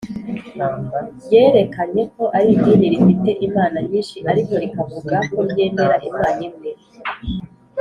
ryerekanye ko ari idini rifite imana nyinshi ariko rikavuga ko ryemera imana imwe